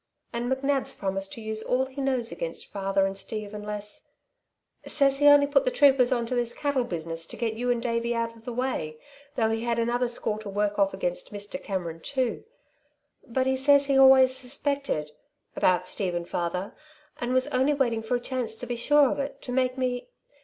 And McNab's promised to use all he knows against father and Steve unless Says he only put the troopers on to this cattle business to get you and Davey out of the way, though he had another score to work off against Mr. Cameron, too. But he says he always suspected ... about Steve and father, and was only waiting for a chance to be sure of it to make me